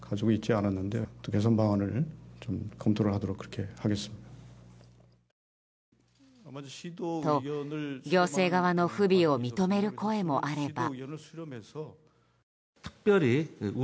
と、行政側の不備を認める声もあれば。